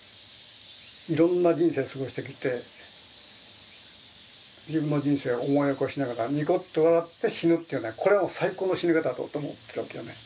いろんな人生過ごしてきて自分の人生を思い起こしながらニコッと笑って死ぬっていうのがこれは最高の死に方だと思ってるわけよね。